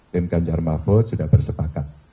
tim ganjar mahfud sudah bersepakat